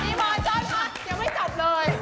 อีมอนจ้อยมายังไม่จบเลย